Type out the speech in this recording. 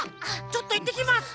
ちょっといってきます！